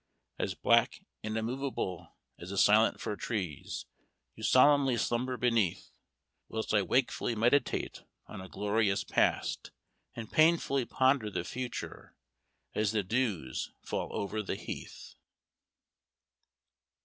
As black and immovable as the silent fir trees you solemnly slumber beneath, Whilst I wakefully meditate on a glorious past, and painfully ponder the future, as the dews fall over the Heath.